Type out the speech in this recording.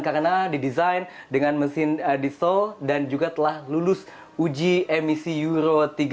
karena didesain dengan mesin diesel dan juga telah lulus uji emisi euro tiga ribu